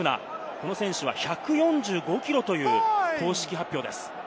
この選手は１４５キロという公式発表です。